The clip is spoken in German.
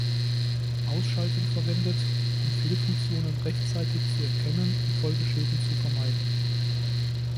Ausschalten verwendet, um Fehlfunktionen rechtzeitig zu erkennen und Folgeschäden zu vermeiden.